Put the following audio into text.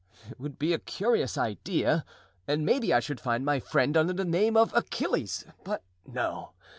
It would be a curious idea, and maybe I should find my friend under the name of Achilles. But, no!